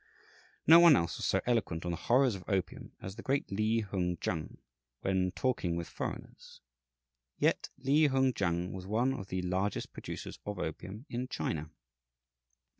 No one else was so eloquent on the horrors of opium as the great Li Hung Chang, when talking with foreigners; yet Li Hung Chang was one of the largest producers of opium in China.